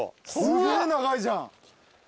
すげえ長いじゃん。